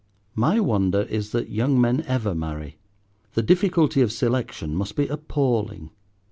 My wonder is that young men ever marry. The difficulty of selection must be appalling.